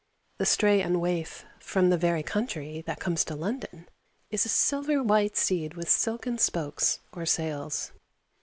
The stray and waif from 'the very country' that comes to London is a silver white seed with silken spokes or sails.